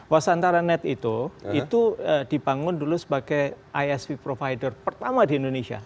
wasantaranet itu dibangun dulu sebagai isp provider pertama di indonesia